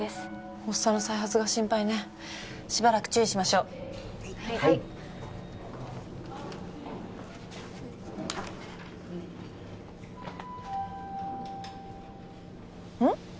発作の再発が心配ねしばらく注意しましょうはいうん？